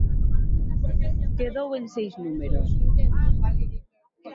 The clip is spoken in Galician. Quedou en seis números.